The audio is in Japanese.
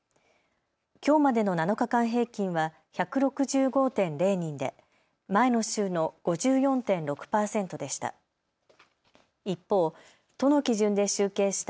きょうまでの７日間平均は１６５．０人で前の週の５４．６％でした。